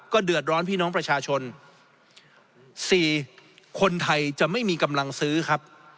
เดือดร้อนพี่น้องประชาชนสี่คนไทยจะไม่มีกำลังซื้อครับ